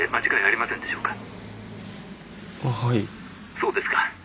☎そうですか。